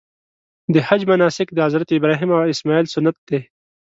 د حج مناسک د حضرت ابراهیم او اسماعیل سنت دي.